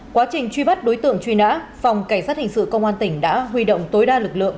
quá trình truy bắt đối tượng truy nã phòng cảnh sát hình sự công an tỉnh đã huy động tối đa lực lượng